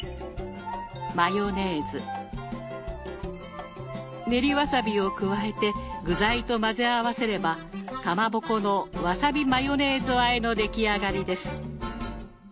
マヨネーズ練りわさびを加えて具材と混ぜ合わせれば「かまぼこのわさびマヨネーズあえ」の出来上がりです。